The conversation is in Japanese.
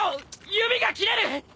指が斬れる！